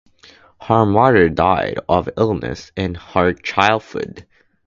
Her mother died of illness in her childhood.